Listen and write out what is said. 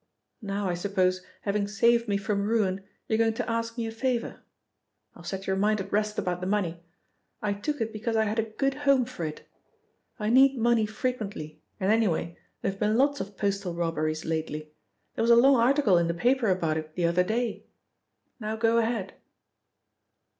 Now, I suppose, having saved me from ruin, you're going to ask me a favour? I'll set your mind at rest about the money. I took it because I had a good home for it. I need money frequently and anyway there have been lots of postal robberies lately. There was a long article in the paper about it the other day. Now go ahead."